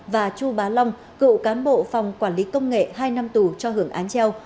và chu bá long cựu cán bộ phòng quản lý công nghệ hai năm tù cho hưởng án treo